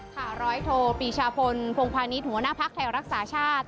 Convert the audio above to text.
ร้อยโทปีชาพลพงพาณิชย์หัวหน้าภักดิ์ไทยรักษาชาติ